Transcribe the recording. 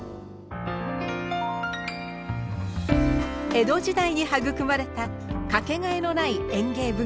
江戸時代に育まれたかけがえのない園芸文化。